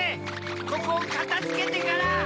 ここをかたづけてから！